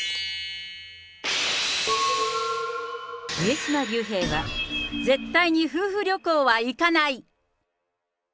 上島竜兵は、絶対に夫婦旅行は行かない。